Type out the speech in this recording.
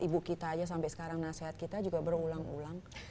ibu kita aja sampai sekarang nasihat kita juga berulang ulang